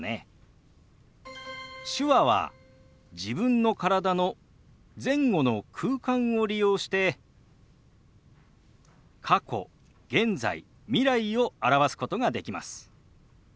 手話は自分の体の前後の空間を利用して過去現在未来を表すことができます。